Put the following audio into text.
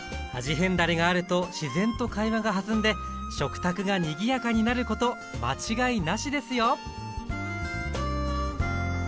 変だれがあると自然と会話が弾んで食卓がにぎやかになること間違いなしですよ！